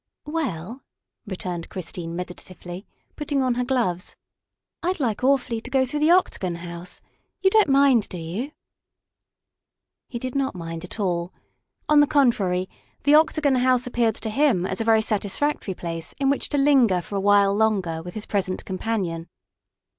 " Well," returned Christine meditatively, putting on her gloves, "I'd like awfully to go through the Octagon House. You don't mind, do you?" He did not mind at all. On the contrary, the Octagon House appeared to him as a very satisfactory place in which to linger for a while longer with his present com panion.